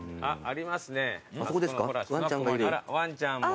あらワンちゃんも。